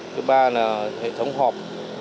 thứ ba là hệ thống họp